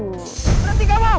berhenti gak mau